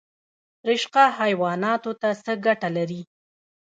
رشقه حیواناتو ته څه ګټه لري؟